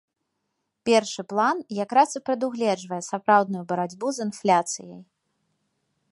Першы план якраз і прадугледжвае сапраўдную барацьбу з інфляцыяй.